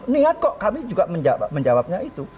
niat kok kami juga menjawabnya itu